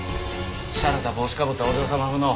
しゃれた帽子かぶったお嬢様風の。